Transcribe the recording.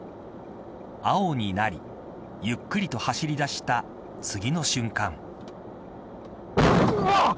青になりゆっくりと走り出した次の瞬間。